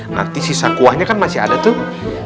nanti sisa kuahnya kan masih ada tuh